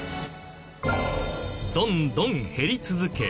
どんどん減り続け